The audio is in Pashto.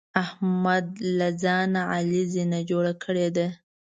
احمد له ځان نه علي زینه جوړه کړې ده.